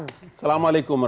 assalamualaikum wr wb